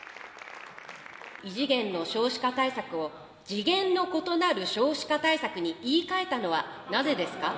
異次元の少子化対策を次元の異なる少子化対策に、言い換えたのはなぜですか。